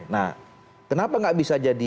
nah kenapa nggak bisa jadi lima